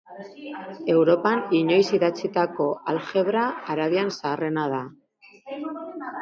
Europan inoiz idatzitako aljebra arabiar zaharrena da.